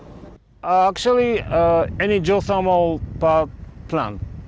sejak beberapa waktu tidak ada pergerakan